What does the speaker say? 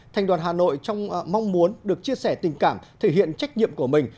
thành đoàn hà nội trong mong muốn được chia sẻ tình cảm thể hiện trách nhiệm của mình